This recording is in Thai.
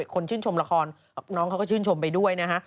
คนชื่นชมละครน้องเขาก็ชื่นชมไปด้วยนะฮะ